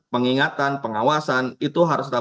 pengingatan pengawasan itu harus tetap